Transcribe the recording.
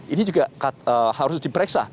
ini juga harus diperiksa